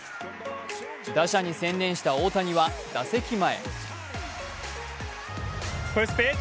打者に専念した大谷は、打席前。